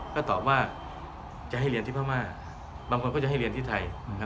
ก็ตอบว่าจะให้เรียนที่พม่าบางคนก็จะให้เรียนที่ไทย